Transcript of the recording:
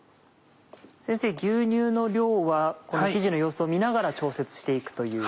先生牛乳の量は生地の様子を見ながら調節して行くという。